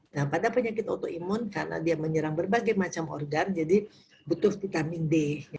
nah pada penyakit autoimun karena dia menyerang berbagai macam organ jadi butuh vitamin d